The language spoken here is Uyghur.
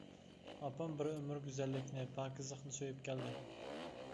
ئاپام بىر ئۆمۈر گۈزەللىكنى، پاكىزلىقنى سۆيۈپ كەلدى.